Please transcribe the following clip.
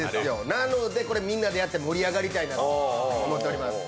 なので、これみんなでやって盛り上がりたいなと思っております。